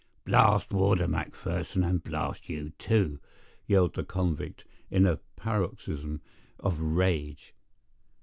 "Blast Warder McPherson, and blast you, too!" yelled the convict, in a paroxysm of rage.